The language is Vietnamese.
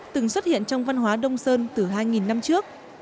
từng xuất hiện trong văn hóa đông sơn từ hai năm trước